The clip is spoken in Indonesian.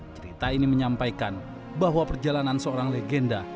cerita ini menyampaikan bahwa perjalanan seorang legenda